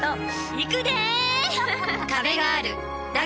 行くで‼